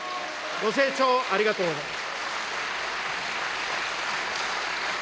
ご清聴、ありがとうございます。